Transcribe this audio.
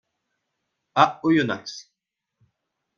À Oyonnax.